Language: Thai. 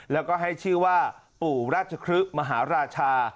แล้วก็ให้ชื่อว่าปู่ราชครึกมหาราชา